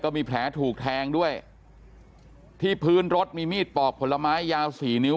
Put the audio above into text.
มีแผลถูกแทงด้วยที่พื้นรถมีมีดปอกผลไม้ยาวสี่นิ้ว